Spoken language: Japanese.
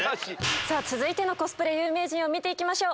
続いてのコスプレ有名人を見ていきましょう。